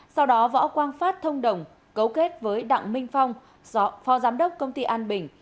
sau đó võ quang phát thông đồng cấu kết với đặng minh phong phó giám đốc công ty an bình